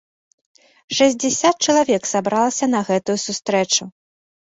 Шэсцьдзесят чалавек сабралася на гэтую сустрэчу!